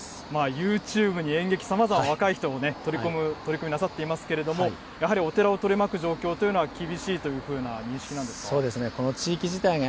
ユーチューブに演劇、さまざま若い人も取り込む取り組みなさっていますけれども、やはりお寺を取り巻く状況というのは、厳しいというふうな認識なんですか。